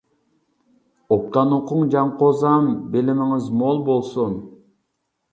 ئوبدان ئوقۇڭ جان قوزام، بىلىمىڭىز مول بولسۇن.